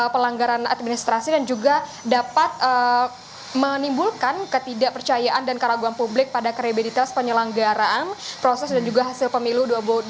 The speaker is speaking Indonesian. pelanggaran administrasi dan juga dapat menimbulkan ketidakpercayaan dan keraguan publik pada kredibilitas penyelenggaraan proses dan juga hasil pemilu dua ribu dua puluh